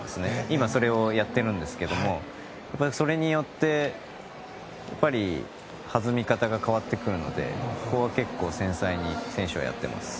今はそれをやっているんですがそれによって弾み方が変わってくるので結構、繊細に選手はやっています。